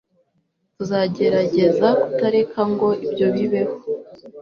tuzagerageza kutareka ngo ibyo bibeho